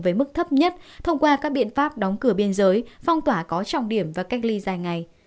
với mức thấp nhất thông qua các biện pháp đóng cửa biên giới phong tỏa có trọng điểm và cách ly dài ngày